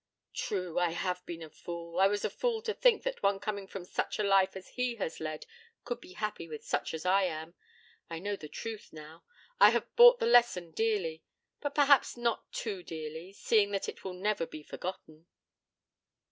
'True; I have been a fool. I was a fool to think that one coming from such a life as he has led could be happy with such as I am. I know the truth now. I have bought the lesson dearly but perhaps not too dearly, seeing that it will never be forgotten.'